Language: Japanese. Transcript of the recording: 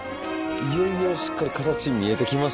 いよいよしっかり形見えてきましたね。